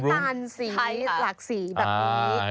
เกล็ดน้ำตาลสีหลักสีแบบนี้